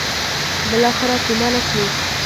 بالاخره تومنه شي.